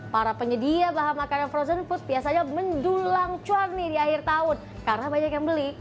para penyedia bahan makanan frozen food biasanya mendulang cuan nih di akhir tahun karena banyak yang beli